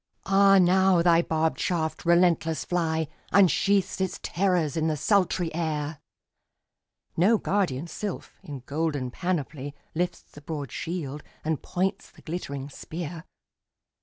—Ah now thy barbed shaft, relentless fly, Unsheaths its terrors in the sultry air! No guardian sylph, in golden panoply, Lifts the broad shield, and points the glittering spear.